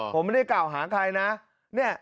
ผมไม่ได้กล่าวหาใครนะ